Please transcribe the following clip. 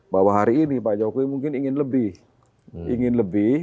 bahwa hari ini pak jokowi mungkin ingin lebih ingin lebih